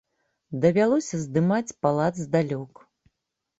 Давялося здымаць палац здалёк.